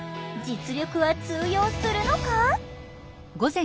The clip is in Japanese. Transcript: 実力は通用するのか？